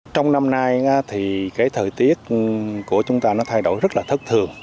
trong năm nay thì cái thời tiết của chúng ta nó thay đổi rất là thất thường